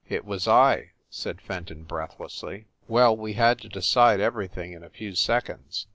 "It was I," said Fenton breathlessly. "Well, we had to decide everything in a few sec onds.